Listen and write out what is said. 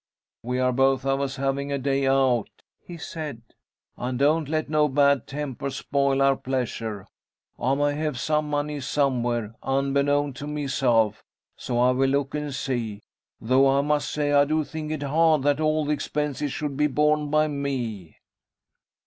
'We are both of us having a day out,' he said, 'and don't let no bad tempers spoil our pleasure. I may have some money somewhere, unbeknown to myself, so I will look and see; though I must say I do think it hard that all the expenses should be borne by me!'